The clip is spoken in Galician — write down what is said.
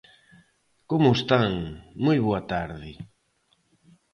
Como están? Moi boa tarde.